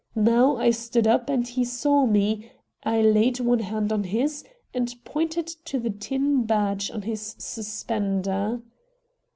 Now I stood up and he saw me. I laid one hand on his, and pointed to the tin badge on his suspender.